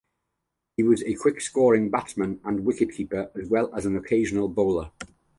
He was a quick-scoring batsman and a wicket-keeper, as well as an occasional bowler.